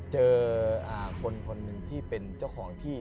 เจอคนคนหนึ่งที่เป็นเจ้าของที่